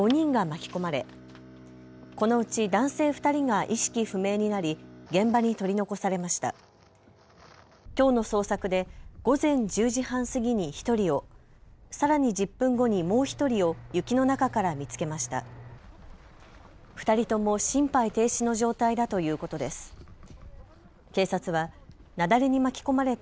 きょうの捜索で午前１０時半過ぎに１人を、さらに１０分後にもう１人を雪の中から見つけました。